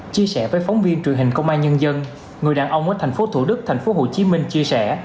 chia sẻ với phóng viên truyền hình công an nhân dân người đàn ông ở tp thủ đức tp hcm chia sẻ